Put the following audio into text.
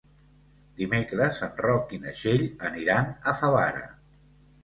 Dimecres en Roc i na Txell aniran a Favara.